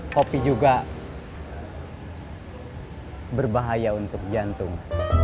kopi juga berbahaya untuk jantung